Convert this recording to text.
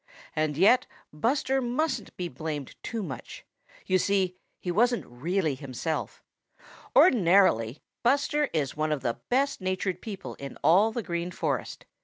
And yet Buster mustn't be blamed too much. You see, he wasn't really himself. Ordinarily Buster is one of the best natured people in all the Green Forest.